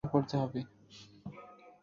সবার হিসাব করতে হবে।